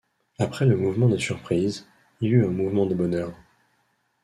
Après le mouvement de surprise, il eut un mouvement de bonheur.